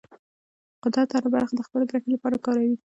قدرت هره خبره د خپلې ګټې لپاره کاروي.